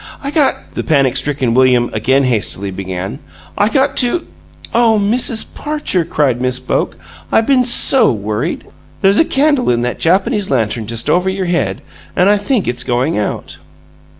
"I got " the panic stricken William again hastily began. "I got to " "Oh, Mrs. Parcher," cried Miss Boke, "I've been SO worried! There's a candle in that Japanese lantern just over your head, and I think it's going out."